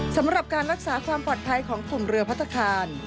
สำหรับการรักษาความปลอดภัยของกลุ่มเรือพัฒนาคาร